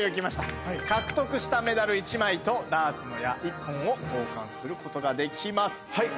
獲得したメダル１枚とダーツの矢１本を交換することができます。